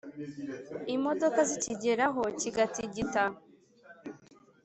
Imodoka zikigeraho kigatigita